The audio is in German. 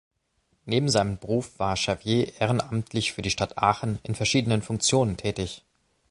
Neben seinem Beruf war Schervier ehrenamtlich für die Stadt Aachen in verschiedenen Funktionen tätig.